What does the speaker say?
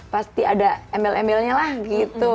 pasti ada embel embelnya lah gitu